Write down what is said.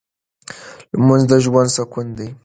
لمونځ د ژوند سکون دی.